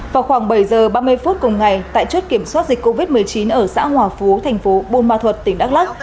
vào khoảng bảy h ba mươi phút cùng ngày tại chốt kiểm soát dịch covid một mươi chín ở xã hòa phú tp bun ma thuật tỉnh đắk lắc